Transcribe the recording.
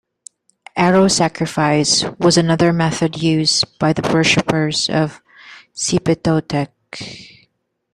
"Arrow sacrifice" was another method used by the worshippers of Xipe Totec.